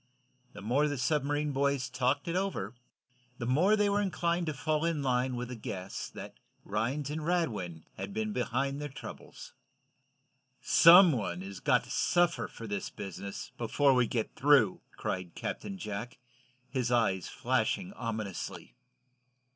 The more the submarine boys talked it over, the more they were inclined to fall in line with the guess that Rhinds and Radwin had been behind their troubles. "Some one has got to suffer for this business, before we get through!" cried Captain Jack, his eyes flashing ominously.